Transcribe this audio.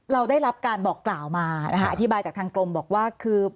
เราได้รับการบอกกล่าวมานะคะอธิบายจากทางกรมบอกว่าคือ